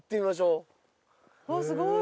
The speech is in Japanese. うわっすごい！